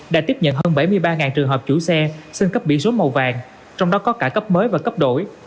đã tiếp nhận hơn bảy mươi ba trường hợp chủ xe xin cấp biển số màu vàng trong đó có cả cấp mới và cấp đổi